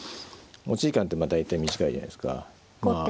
持ち時間ってまあ大体短いじゃないですか。